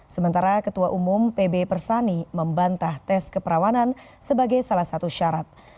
sementara ketua umum pb persani membantah tes keperawanan sebagai salah satu syarat